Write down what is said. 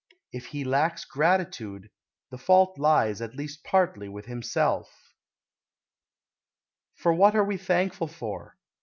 If he lacks gratitude, the fault lies at least partly with himself. For what are we thankful for?